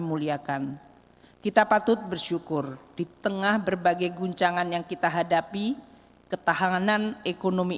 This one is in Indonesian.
muliakan kita patut bersyukur di tengah berbagai guncangan yang kita hadapi ketahanan ekonomi